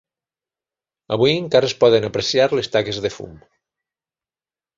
Avui, encara, es poden apreciar les taques de fum.